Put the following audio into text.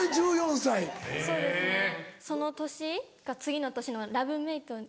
その年か次の年のラブメイト。